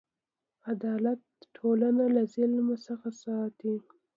عدالت ټولنه له ظلم څخه ساتي.